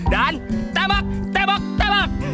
dan tembak tembak tembak